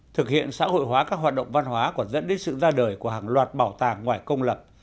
thực hiện xã hội hóa các hoạt động văn hóa còn dẫn đến sự ra đời của hàng loạt bảo tàng ngoài công lập